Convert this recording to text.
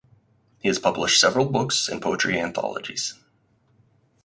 He has published several books and poetry anthologies.